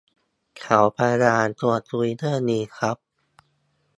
เขาพยายามชวนคุยเรื่องนี้ครับ